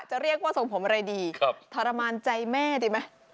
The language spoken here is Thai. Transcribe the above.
จะเรียกว่าทรงผมอะไรดีทรมานใจแม่ดีไหม